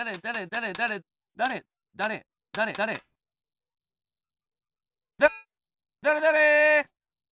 だれだだれだれ！